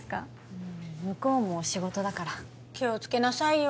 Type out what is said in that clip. うん向こうも仕事だから気をつけなさいよ